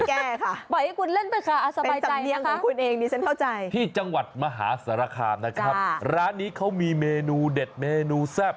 ขอให้คุณเล่นไปค่ะอาสมัยใจนะคะที่จังหวัดมหาศาลคามนะครับร้านนี้เขามีเมนูเด็ดเมนูแซ่บ